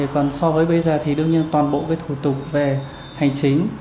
còn so với bây giờ thì đương nhiên toàn bộ thủ tục về hành chính